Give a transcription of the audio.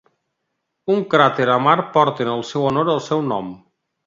Un cràter a Mart porta en el seu honor el seu nom.